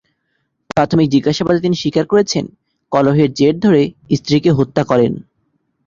প্রাথমিক জিজ্ঞাসাবাদে তিনি স্বীকার করেছেন, কলহের জের ধরে স্ত্রীকে হত্যা করেন।